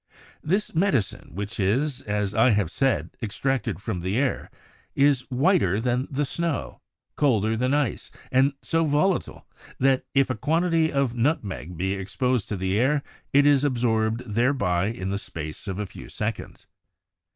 This medicine, which is, as I have said, extracted from the air, is whiter than the snow, colder than ice, and so volatile that if a quantity of a nut meg be exposed to the air it is absorbed thereby in the space of a few seconds."